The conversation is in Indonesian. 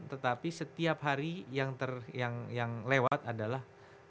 tetapi setiap hari yang lewat adalah